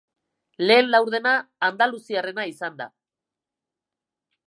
Lehen laurdena andaluziarrena izan da.